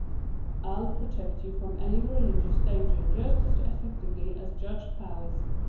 "I'll protect you from any religious danger just as effectively as Judge Powers.